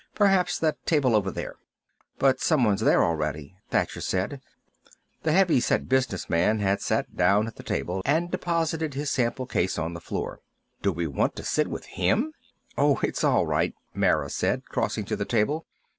"Perhaps that table over there." "But someone's there already," Thacher said. The heavy set business man had sat down at the table and deposited his sample case on the floor. "Do we want to sit with him?" "Oh, it's all right," Mara said, crossing to the table.